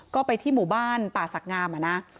ก็ไปที่หมู่บ้านป่าสักงาม